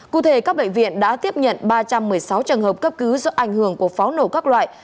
cụ thể các bệnh viện đã tiếp nhận ba trăm một mươi sáu trường hợp cấp cứu do ảnh hưởng của pháo nổ các loại